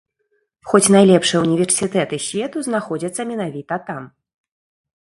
Хоць найлепшыя ўніверсітэты свету знаходзяцца менавіта там.